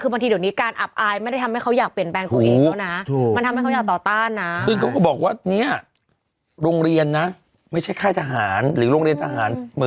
ซึ่งเขาก็บอกว่าเนี้ยโรงเรียนนะไม่ใช่ค่ายทหารหรือโรงเรียนทหาร